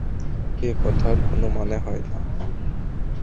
একথার কোনো মানে হয় না।